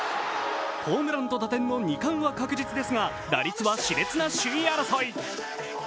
ホームランと打点の２冠は確実ですが打率はしれつな首位争い。